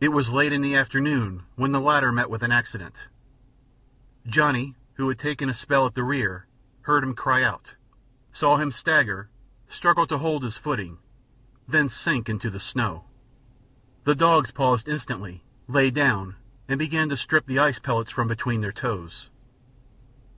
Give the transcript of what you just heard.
It was late in the afternoon when the latter met with an accident. Johnny, who had taken a spell at the rear, heard him cry out, saw him stagger, struggle to hold his footing, then sink into the snow. The dogs paused instantly, lay down, and began to strip the ice pellets from between their toes.